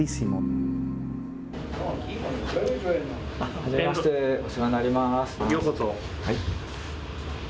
はじめまして、お世話になります。